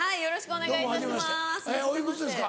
お幾つですか？